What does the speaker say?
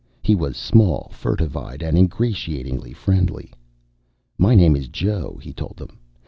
He was small, furtive eyed, and ingratiatingly friendly. "My name is Joe," he told them.